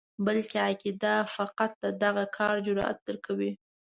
بلکې عقیده فقط د دغه کار جرأت درکوي.